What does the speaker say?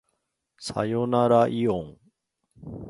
さよならいおん